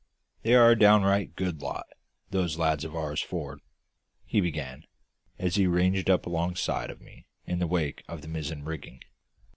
"They are a downright good lot those lads of ours, for'ard," he began, as he ranged up alongside of me in the wake of the mizzen rigging.